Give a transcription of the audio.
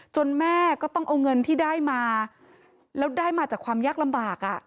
แม่ก็ต้องเอาเงินที่ได้มาแล้วได้มาจากความยากลำบาก